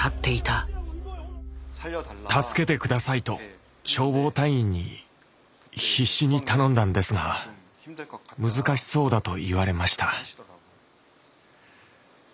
「助けて下さい」と消防隊員に必死に頼んだんですが「難しそうだ」と言われました。